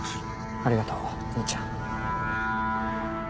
ありがとう兄ちゃん。